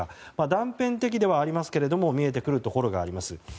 断片的ではありますが見えてくるところはあります。